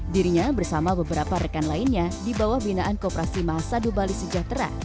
dirinya bersama beberapa rekan lainnya di bawah binaan koperasi masa dua bali sejahtera